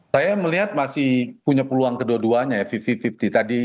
saya melihat masih punya peluang kedua duanya ya